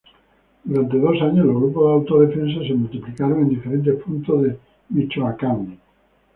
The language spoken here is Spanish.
Durante dos años los grupos de autodefensa de multiplicaron en diferentes puntos de Michoacán.